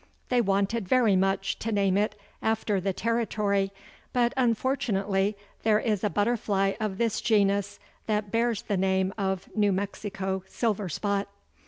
They wanted very much to name it after the Territory, but unfortunately there is a butterfly of this genus that bears the name of New Mexico Silver spot.